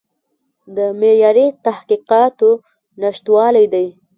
د معیاري تحقیقاتو نشتوالی دی.